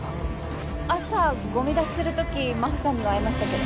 朝ゴミ出しする時真帆さんには会いましたけど。